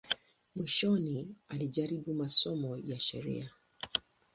Mwishoni alijaribu masomo ya sheria.